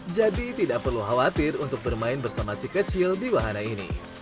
jadi setiap belajar di tahap commission maka tepati harus menggunakan kode